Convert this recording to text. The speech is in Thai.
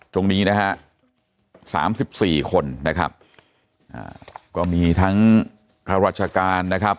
ตรงนี้นะฮะ๓๔คนนะครับก็มีทั้งรัชกาลนะครับ